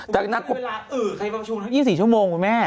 อื้อใครประชุมแล้ว๒๔ชั่วโมงคุณแม่